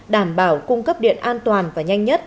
đảm bảo cung cấp điện an toàn và nhanh nhất